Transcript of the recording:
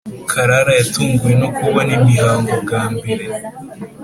Karara yatunguwe no kubona imihango bwa mbere